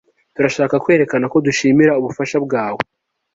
Turashaka kwerekana ko dushimira ubufasha bwawe